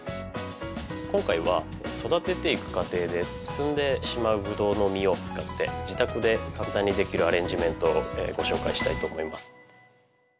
今回は育てていく過程で摘んでしまうブドウの実を使って自宅で簡単にできるアレンジメントをご紹介したいと思います。